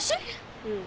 うん。